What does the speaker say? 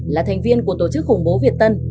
là thành viên của tổ chức khủng bố việt tân